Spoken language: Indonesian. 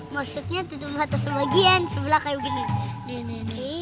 maksudnya tutup mata sebagian sebelah kayak begini